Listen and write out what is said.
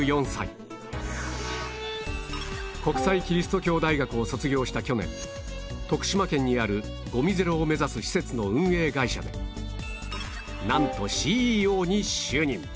国際基督教大学を卒業した去年徳島県にあるごみゼロを目指す施設の運営会社でなんと ＣＥＯ に就任